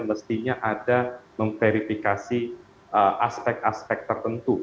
mestinya ada memverifikasi aspek aspek tertentu